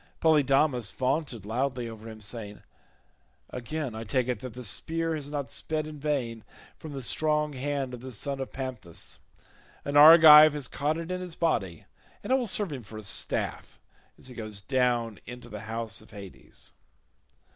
Polydamas vaunted loudly over him saying, "Again I take it that the spear has not sped in vain from the strong hand of the son of Panthous; an Argive has caught it in his body, and it will serve him for a staff as he goes down into the house of Hades."